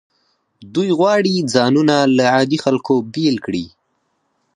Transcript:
دوی غواړي ځانونه له عادي خلکو بیل کړي.